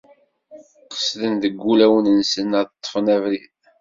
Qesden deg wulawen-nsen, ad ṭṭfen abrid.